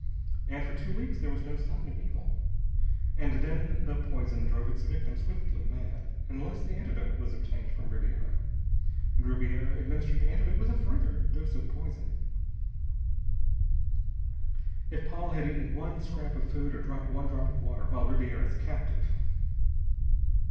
And for two weeks there was no sign of evil. And then the poison drove its victim swiftly mad unless the antidote was obtained from Ribiera. And Ribiera administered the antidote with a further dose of poison. If Paula had eaten one scrap of food or drunk one drop of water while Ribiera's captive....